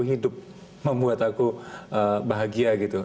hidup membuat aku bahagia gitu